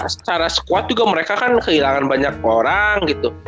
secara squad juga mereka kan kehilangan banyak orang gitu